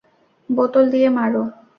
বোতল দিয়ে মার।